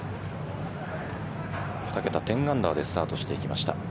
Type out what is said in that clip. ２桁１０アンダーでスタートしていきました。